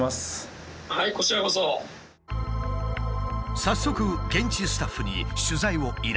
早速現地スタッフに取材を依頼。